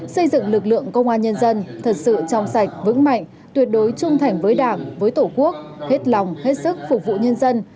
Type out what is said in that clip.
xây dựng lực lượng công an nhân dân thật sự trong sạch vững mạnh tuyệt đối trung thành với đảng với tổ quốc hết lòng hết sức phục vụ nhân dân